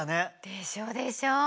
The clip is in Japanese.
でしょでしょ？